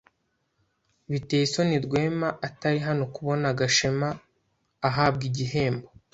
Biteye isoni Rwema atari hano kubona Gashema ahabwa igihembo.